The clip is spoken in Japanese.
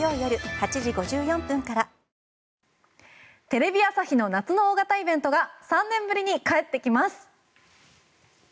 テレビ朝日の夏の大型イベントが３年ぶりに帰ってきます！